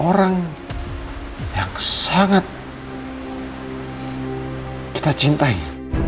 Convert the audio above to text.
orang yang sangat kita cintai